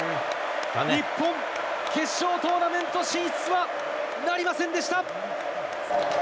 日本、決勝トーナメント進出はなりませんでした。